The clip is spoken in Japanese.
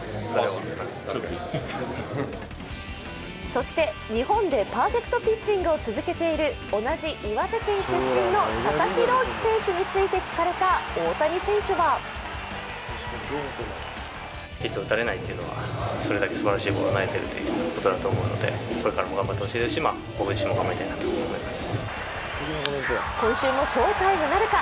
そして日本でパーフェクトピッチングを続けている同じ岩手県出身の佐々木朗希選手について聞かれた大谷選手は今週も翔タイムなるか。